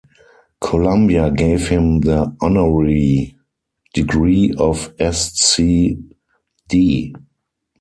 Columbia gave him the honorary degree of Sc.D.